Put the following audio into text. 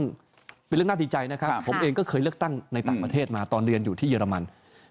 ซึ่งเป็นเรื่องน่าดีใจนะครับผมเองก็เคยเลือกตั้งในต่างประเทศมาตอนเรียนอยู่ที่เยอรมัน